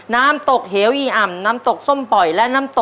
น้ำตกเหวอี่อำ